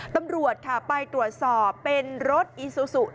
ตำรวจค่ะไปตรวจสอบเป็นรถอีซูซู